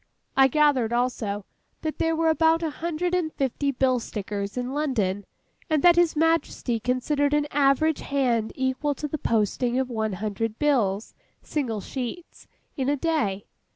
I gathered, also, that there were about a hundred and fifty bill stickers in London, and that His Majesty considered an average hand equal to the posting of one hundred bills (single sheets) in a day.